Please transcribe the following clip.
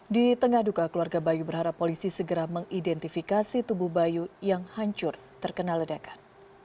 di tengah duka keluarga bayu berharap polisi segera mengidentifikasi tubuh bayu yang hancur terkena ledakan